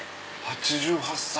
８８歳。